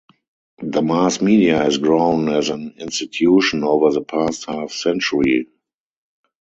The mass media has grown as an institution over the past half-century.